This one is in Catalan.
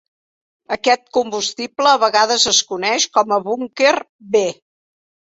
Aquest combustible a vegades es coneix com a Bunker B.